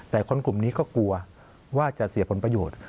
แต่คนกลุ่มนี้ก็กลัวว่าจะเสียผลประโยชน์